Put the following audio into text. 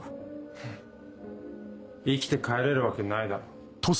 フッ生きて帰れるわけないだろ。